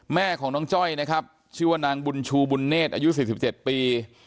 แม่ของน้องจ้อยนะครับชื่อว่านางบุญชูบุญเนธอายุ๔๗ปี